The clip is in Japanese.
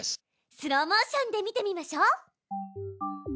スローモーションで見てみましょう。